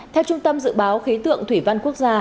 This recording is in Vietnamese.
theo trung tâm dự báo khí tượng thủy văn quốc gia